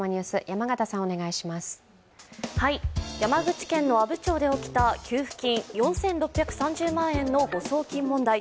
山口県の阿武町で起きた給付金４６３０万円の誤送金問題。